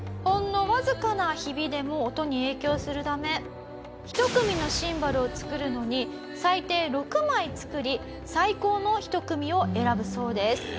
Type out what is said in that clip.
「ほんのわずかなヒビでも音に影響するため１組のシンバルを作るのに最低６枚作り最高の１組を選ぶそうです」